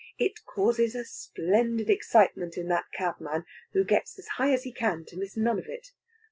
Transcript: It causes a splendid excitement in that cabman, who gets as high as he can, to miss none of it.